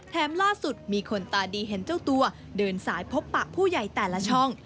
ล่าสุดมีคนตาดีเห็นเจ้าตัวเดินสายพบปะผู้ใหญ่แต่ละช่อง